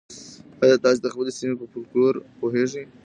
ایا تاسي د خپلې سیمې په فولکلور پوهېږئ؟